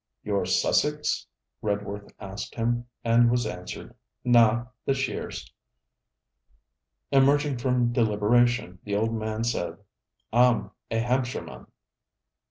'You're Sussex?' Redworth asked him, and was answered: 'Naw; the Sheers.' Emerging from deliberation, the old man said: 'Ah'm a Hampshireman.'